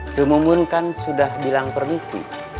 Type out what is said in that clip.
semumun kan sudah bilang permisi